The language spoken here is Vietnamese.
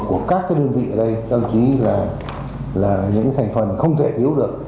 của các cái đơn vị ở đây thậm chí là những cái thành phần không thể thiếu được